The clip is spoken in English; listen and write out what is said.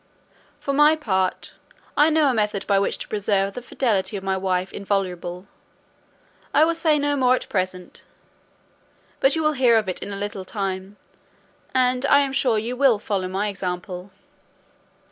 For my part, I know a method by which to preserve the fidelity of my wife inviolable. I will say no more at present, but you will hear of it in a little time, and I am sure you will follow my example."